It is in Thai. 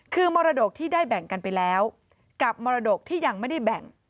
คือมรดกที่ได้แบ่งกันไปแล้วกับมรดกที่ยังไม่ได้แบ่ง